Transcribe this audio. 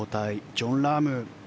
ジョン・ラーム。